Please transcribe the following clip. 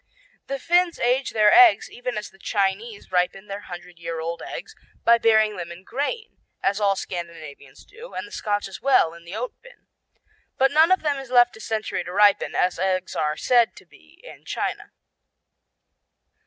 The Finns age their eggs even as the Chinese ripen their hundred year old eggs, by burying them in grain, as all Scandinavians do, and the Scotch as well, in the oat bin. But none of them is left a century to ripen, as eggs are said to be in China.